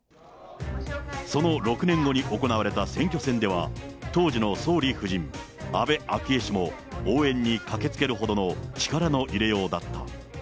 その６年後に行われた選挙戦では、当時の総理夫人、安倍昭恵氏も応援に駆けつけるほどの力の入れようだった。